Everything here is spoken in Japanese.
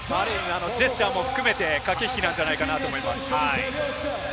ジェスチャーも含めて駆け引きなんじゃないかなと思います。